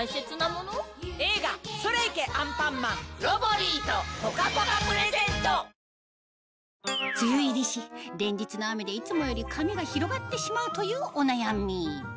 桜餅ってコサージュになりま梅雨入りし連日の雨でいつもより髪が広がってしまうというお悩み